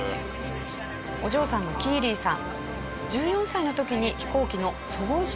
お嬢さんのキーリーさん。